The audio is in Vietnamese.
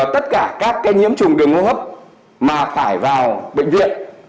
tất cả các nhiễm trùng đường hô hấp mà phải vào bệnh viện